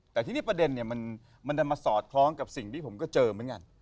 แต่ทีนี้ประเด็นเนี่ยมันจะมาสอดคล้องกับสิ่งที่ผมก็เจอเหมือนกัน